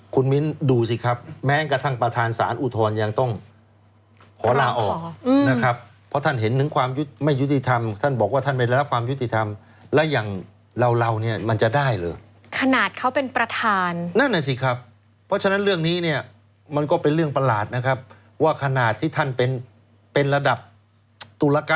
คุณมิ้นดูสิครับแม้กระทั่งประธานสารอุทธรณ์ยังต้องขอลาออกนะครับเพราะท่านเห็นถึงความไม่ยุติธรรมท่านบอกว่าท่านไม่ได้รับความยุติธรรมและอย่างเราเราเนี่ยมันจะได้เหรอขนาดเขาเป็นประธานนั่นน่ะสิครับเพราะฉะนั้นเรื่องนี้เนี่ยมันก็เป็นเรื่องประหลาดนะครับว่าขนาดที่ท่านเป็นเป็นระดับตุล